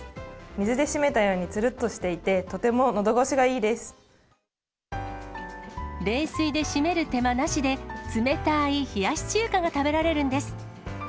水で締めたように、つるっとして冷水で締める手間なしで、冷たい冷やし中華が食べられるんです。